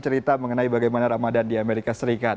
cerita mengenai bagaimana ramadan di amerika serikat